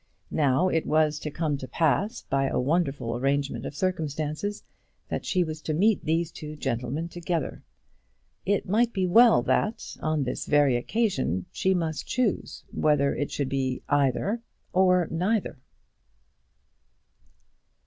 Now it was to come to pass, by a wonderful arrangement of circumstances, that she was to meet these two gentlemen together. It might well be, that on this very occasion, she must choose whether it should be either or neither.